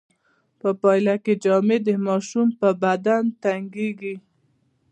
په پایله کې جامې د ماشوم په بدن تنګیږي.